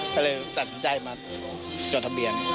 ก็เลยตัดสินใจมาจดทะเบียน